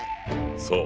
そう！